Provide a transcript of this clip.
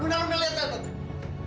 luna lu melihat